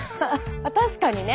確かにね。